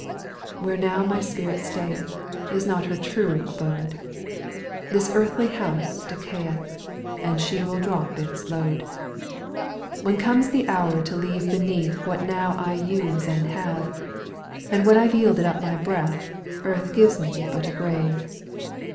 7. Where now my spirit stayeth Is not her true abode ; This earthly house decay eth. And she will drop its load. When comes the hour to leave beneath What now I use and have, And when I Ve yielded up my breath. Earth gives me but a grave.